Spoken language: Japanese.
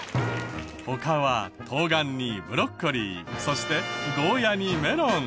他は冬瓜にブロッコリーそしてゴーヤにメロン。